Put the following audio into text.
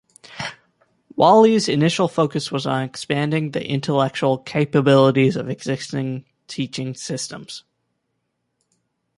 Wally's initial focus was on expanding the intellectual capabilities of existing teaching systems.